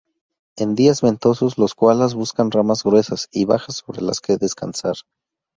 En días ventosos, los koalas buscan ramas gruesas y bajas sobre las que descansar.